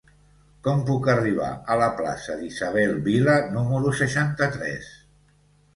Com puc arribar a la plaça d'Isabel Vila número seixanta-tres?